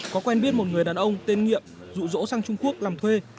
có quen biết một người đàn ông tên nghiệm dụ dỗ sang trung quốc làm thuê